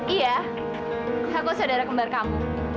iya aku saudara kembar kamu